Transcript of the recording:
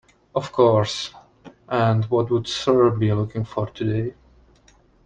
Of course, and what would sir be looking for today?